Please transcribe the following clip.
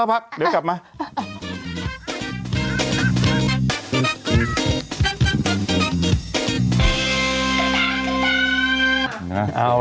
พักเดี๋ยวกลับมา